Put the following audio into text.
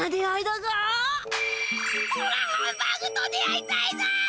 おらハンバーグと出会いたいだ。